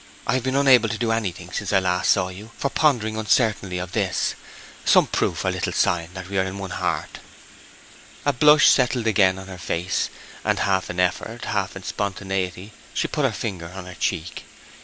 I have been unable to do anything since I last saw you for pondering uncertainly on this. Some proof, or little sign, that we are one in heart!' A blush settled again on her face; and half in effort, half in spontaneity, she put her finger on her cheek.